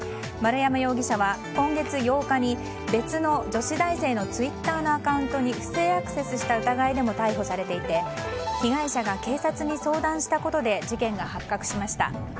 丸山容疑者は今月８日に別の女子大生のツイッターのアカウントに不正アクセスした疑いでも逮捕されていて被害者が警察に相談したことで事件が発覚しました。